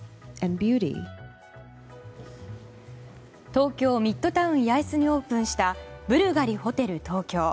東京ミッドタウン八重洲にオープンしたブルガリホテル東京。